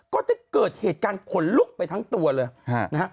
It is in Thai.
ก็จะเกิดเหตุการณ์ขนลุกไปทั้งตัวเลยนะฮะ